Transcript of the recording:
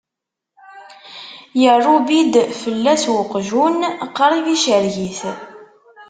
Yerrubbi-d fell-as uqjun, qrib icerreg-it.